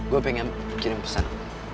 gue pengen kirim pesan